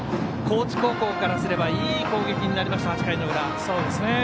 高知高校からすればいい攻撃になりました、８回の裏。